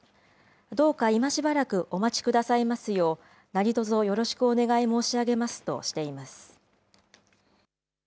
どうか今しばらくお待ちくださいますよう、何とぞよろしくお願い申し上げますとしています。